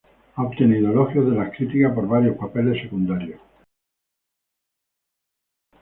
Ha obtenido elogios de la crítica por varios papeles secundarios.